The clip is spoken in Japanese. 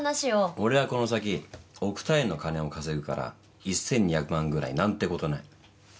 俺はこの先億単位の金を稼ぐから１，２００万ぐらいなんてことない。